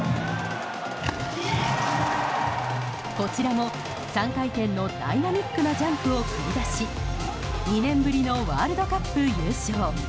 こちらも３回転のダイナミックなジャンプを繰り出し２年ぶりのワールドカップ優勝。